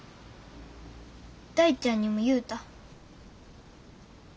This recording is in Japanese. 大ちゃんにも言うた。